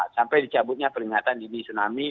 sampai dicabutnya peringatan dini tsunami